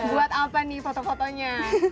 buat apa nih foto fotonya